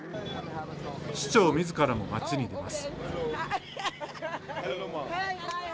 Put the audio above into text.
市長みずからも街に出ます。